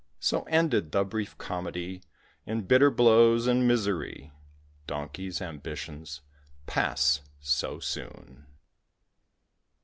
So ended the brief comedy In bitter blows and misery. Donkeys' ambitions pass so soon.